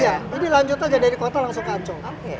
iya ini lanjut aja dari kota langsung ke ancol